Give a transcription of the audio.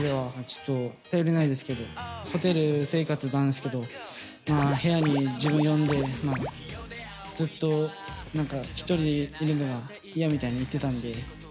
ホテル生活なんですけど部屋に自分を呼んで、ずっと１人でいるのが嫌みたいに言ってたんで。